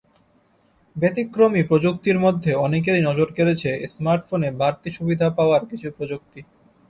ব্যতিক্রমী প্রযুক্তির মধ্যে অনেকেরই নজর কেড়েছে স্মার্টফোনে বাড়তি সুবিধা পাওয়ার কিছু প্রযুক্তি।